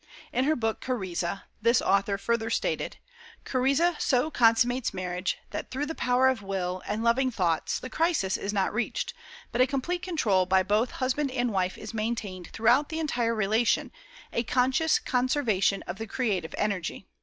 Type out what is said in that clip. In her book "Karezza" this author further stated: "Karezza so consummates marriage that through the power of will, and loving thoughts, the crisis is not reached, but a complete control by both husband and wife is maintained throughout the entire relation, a conscious conservation of the creative energy.